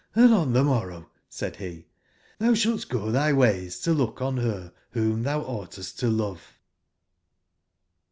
^'Hnd on tbc morrow," said be, ''tbou sbalt go tby ways to look on ber wbom tbou ougbtest to love.''